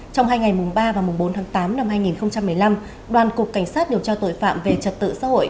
trong hai ngày mùng ba và mùng bốn tháng tám năm hai nghìn một mươi năm đoàn cục cảnh sát điều tra tội phạm về trật tự xã hội